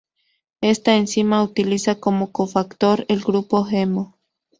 Esta enzima utiliza como cofactor el grupo hemo.